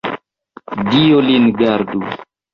Dio lin gardu!